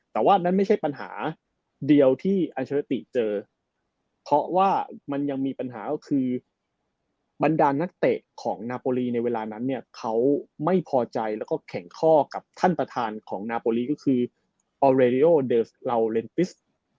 แต่ว่านั่นไม่ใช่ปัญหาเดียวที่อัลเชอร์ติเจอเพราะว่ามันยังมีปัญหาก็คือบรรดานักเตะของนาโปรลีในเวลานั้นเนี่ยเขาไม่พอใจแล้วก็แข่งข้อกับท่านประธานของนาโปรลีก็คือออเรริโอเดอร์สลาวเลนปิส